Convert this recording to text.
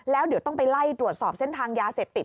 แล้วเดี๋ยวต้องไปไล่ตรวจสอบเส้นทางยาเสพติด